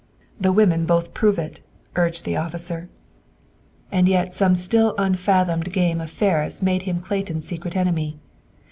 "The women both prove it," urged the officer. "And yet some still unfathomed game of Ferris made him Clayton's secret enemy.